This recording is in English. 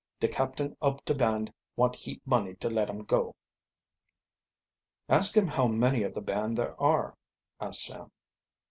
De captain ob de band want heap money to let um go." "Ask him how many of the band there are," asked Sam.